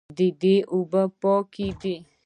د دوی اوبه پاکې دي.